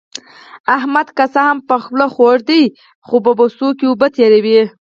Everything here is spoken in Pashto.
احمد که څه هم په خوله خوږ دی، خو په بوسو کې اوبه تېروي.